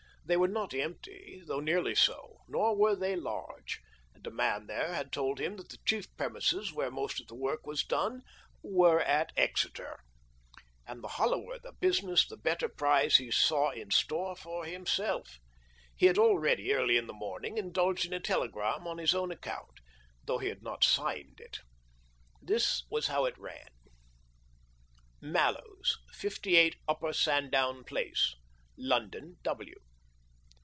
They were not empty, though nearly so, nor were they large ; and a man there had told him that the chief premises, where most of the work was done, were at Exeter. And the hollower the business the better prize he saw in store for himself. He had already, early in the morning, indulged in a telegram on his own account, though he had not signed it. This was how it ran — Mallows, 58, Upper Sandown Place, London, W.